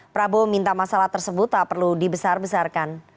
prabowo minta masalah tersebut tak perlu dibesar besarkan